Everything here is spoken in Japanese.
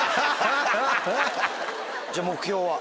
じゃあ目標は？